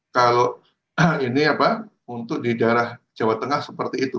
kalau ini apa untuk di daerah jawa tengah seperti itu